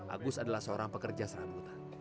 agus adalah seorang pekerja serabutan